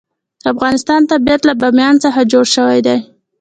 د افغانستان طبیعت له بامیان څخه جوړ شوی دی.